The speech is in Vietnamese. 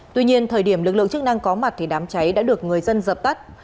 tuy nhiên thời điểm lực lượng chức năng có mặt thì đám cháy đã được người dân dập tắt